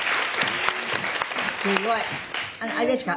「すごい！あれですか？